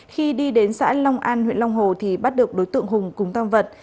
khi đi đến xã long an huyện long hồ thì bắt được đối tượng hùng cùng tam vật